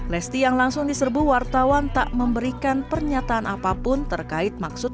lesti yang langsung diserbu wartawan tak memberikan pernyataan apapun terkait maksud